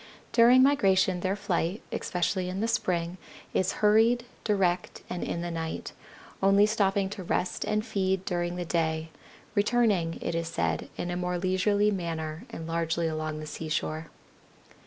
During migration their flight, especially in the spring, is hurried, direct and in the night, only stopping to rest and feed during the day, returning, it is said, in a more leisurely manner and largely along the seashore.